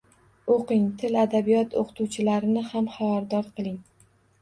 O‘qing, til-adabiyot o‘qituvchilarini ham havardor qiling.